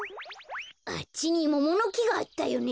あっちにモモのきがあったよね。